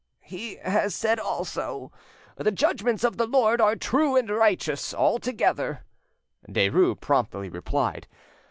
'" "He has said also, 'The judgments of the Lord are true and righteous altogether,'" Derues promptly replied.